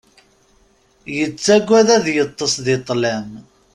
Yettagad ad yeṭṭes di ṭṭlam.